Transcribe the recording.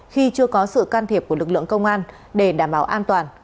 khi chưa có sự can thiệp của lực lượng công an để đảm bảo an toàn